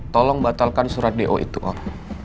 tolong batalkan surat do itu on